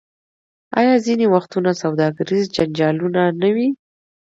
آیا ځینې وختونه سوداګریز جنجالونه نه وي؟